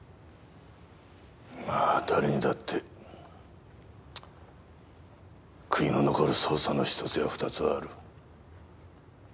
まあ誰にだって悔いの残る捜査の１つや２つはある。